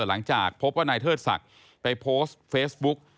หลังจากพบว่านายเทิดศักดิ์ไปโพสต์เฟซบุ๊ก